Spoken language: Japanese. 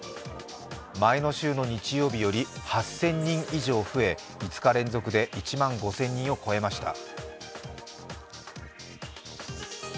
前の週の日曜日より８０００人以上増え、５日連続で１万５０００人を超えました。